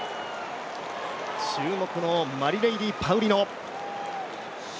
注目のマリレイディー・パウリノ。